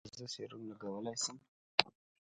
ایا زه سیروم لګولی شم؟